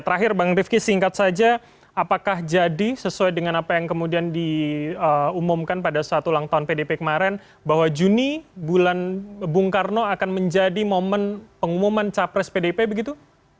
terakhir bang rifki singkat saja apakah jadi sesuai dengan apa yang kemudian diumumkan pada saat ulang tahun pdp kemarin bahwa juni bulan bung karno akan menjadi momen pengumuman capres pdp begitu